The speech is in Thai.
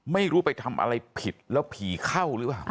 ไม่รู้ไปทำอะไรผิดแล้วผีเข้าหรือเปล่า